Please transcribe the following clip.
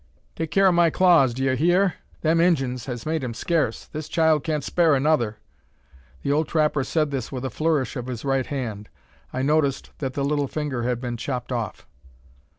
"Take care o' my claws, d'yur hear! Them Injuns has made 'em scarce; this child can't spare another." The old trapper said this with a flourish of his right hand. I noticed that the little finger had been chopped off!